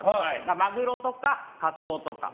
マグロとか、カツオとか。